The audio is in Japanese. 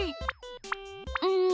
うん